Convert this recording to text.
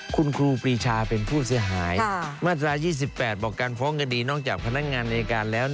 คุณครูปีชาเป็นผู้เสียหายมาตรา๒๘บอกการฟ้องคดีนอกจากพนักงานอายการแล้ว